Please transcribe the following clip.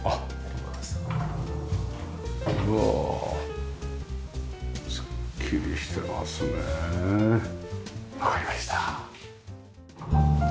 うおすっきりしてますね。わかりました。